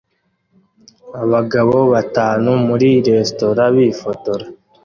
Abagabo batanu muri resitora bifotora